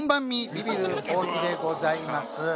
ビビる大木でございます。